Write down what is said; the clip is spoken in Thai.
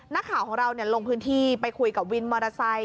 นักข่าวของเราลงพื้นที่ไปคุยกับวินมอเตอร์ไซค